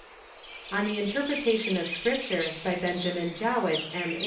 ;" On the Interpretation of Scripture," by Benjamin Jowett, M.